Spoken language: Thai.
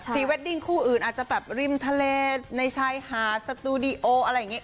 เวดดิ้งคู่อื่นอาจจะแบบริมทะเลในชายหาดสตูดิโออะไรอย่างนี้